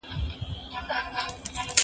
زه مخکې کار کړی و!